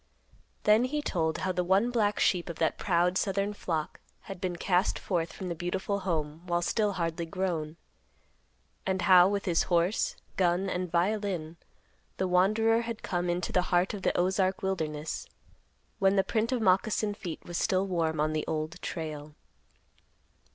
Then he told how the one black sheep of that proud southern flock had been cast forth from the beautiful home while still hardly grown; and how, with his horse, gun and violin, the wanderer had come into the heart of the Ozark wilderness, when the print of moccasin feet was still warm on the Old Trail.